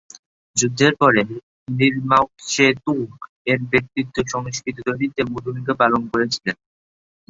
যুদ্ধের পরে, Lin Mao Tse Tung এর ব্যক্তিত্ব সংস্কৃতি তৈরিতে মূল ভূমিকা পালন করেছিলেন।